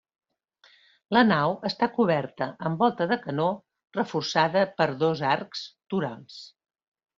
La nau està coberta amb volta de canó reforçada per dos arcs torals.